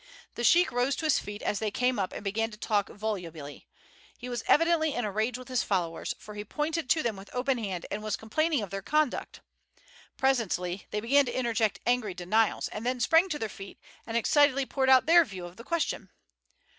The sheik rose to his feet as they came up and began to talk volubly; he was evidently in a rage with his followers, for he pointed to them with open hand and was complaining of their conduct. Presently they began to interject angry denials, and then sprang to their feet and excitedly poured out their view of the question.